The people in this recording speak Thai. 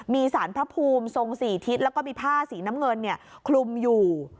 มีสารพระภูมิทรง๔ทิศแล้วก็มีผ้าสีน้ำเงินคลุมอยู่